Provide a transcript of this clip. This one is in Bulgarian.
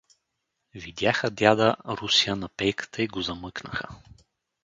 Видяха дяда Руся на пейката и го замъкнаха.